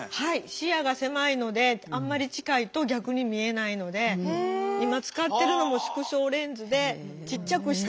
視野が狭いのであんまり近いと逆に見えないので今使ってるのも縮小レンズでちっちゃくして。